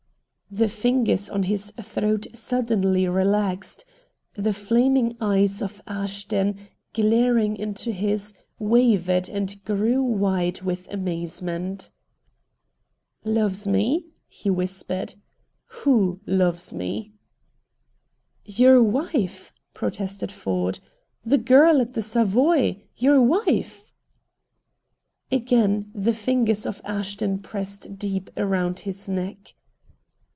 The fingers on his throat suddenly relaxed; the flaming eyes of Ashton, glaring into his, wavered and grew wide with amazement. "Loves me," he whispered. "WHO loves me?" "Your wife," protested Ford; "the girl at the Savoy, your wife." Again the fingers of Ashton pressed deep around his neck.